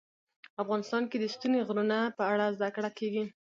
افغانستان کې د ستوني غرونه په اړه زده کړه کېږي.